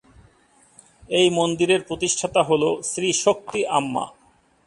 এই মন্দিরের প্রতিষ্ঠাতা হল শ্রী শক্তি আম্মা।